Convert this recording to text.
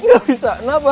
gue gak bisa melakukan alat